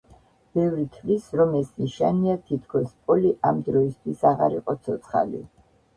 ბევრი თვლის, რომ ეს ნიშანია, თითქოს პოლი ამ დროისთვის აღარ იყო ცოცხალი.